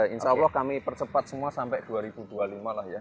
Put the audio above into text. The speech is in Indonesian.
insya allah kami percepat semua sampai dua ribu dua puluh lima lah ya